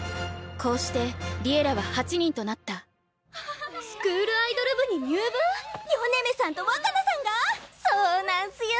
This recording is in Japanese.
こうして「Ｌｉｅｌｌａ！」は８人となったスクールアイドル部に入部⁉米女さんと若菜さんが⁉そうなんすよ